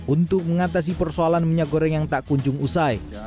untuk mengatasi persoalan minyak goreng yang tak kunjung usai